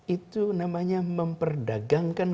itu namanya memperdagangkan